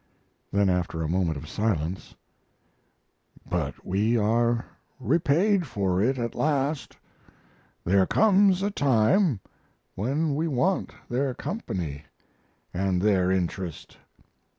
Then, after a moment of silence: "But we are repaid for it at last. There comes a time when we want their company and their interest.